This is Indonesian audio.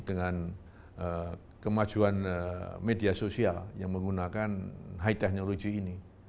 dengan kemajuan media sosial yang menggunakan high technology ini